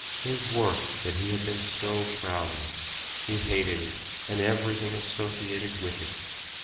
His work, that he had been so proud of he hated it, and everything associated with it.